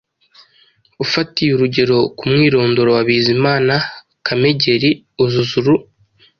Ufatiye urugero ku mwirondoro wa Bizimana Kamegeri, uzuza uru